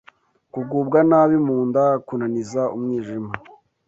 kugubwa nabi mu nda, kunaniza umwijima,